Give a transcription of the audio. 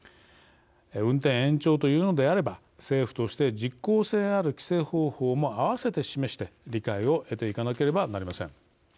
運転延長というのであれば政府として実効性ある規制方法も併せて示して理解を得ていかなければなりません。